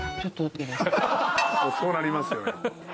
そうなりますよね。